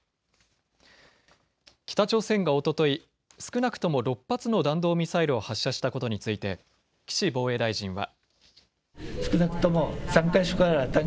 北朝鮮がおととい少なくとも６発の弾道ミサイルを発射したことについて岸防衛大臣は。